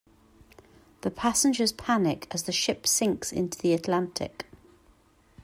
The passengers panic as the ship sinks into the Atlantic.